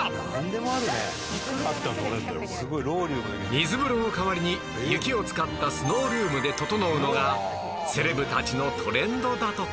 水風呂の代わりに雪を使ったスノールームでととのうのがセレブたちのトレンドだとか